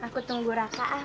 aku tunggu raka ah